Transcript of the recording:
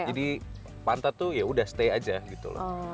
jadi pantat tuh yaudah stay aja gitu loh